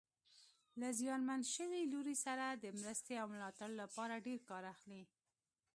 له زیانمن شوي لوري سره د مرستې او ملاتړ لپاره ډېر کار اخلي.